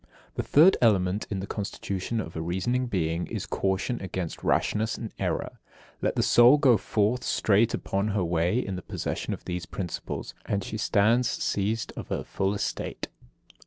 The third element in the constitution of a reasoning being is caution against rashness and error. Let the soul go forth straight upon her way in the possession of these principles, and she stands seized of her full estate.